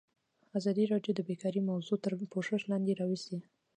ازادي راډیو د بیکاري موضوع تر پوښښ لاندې راوستې.